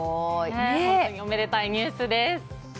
本当におめでたいニュースです。